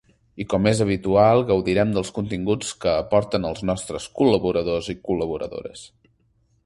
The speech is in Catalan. I com és habitual gaudirem dels continguts que aporten els nostres col·laboradors i col·laboradores.